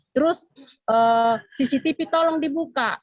terus cctv tolong dibuka